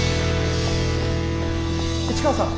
市川さん！